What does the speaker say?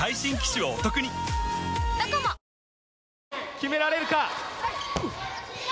決められるか？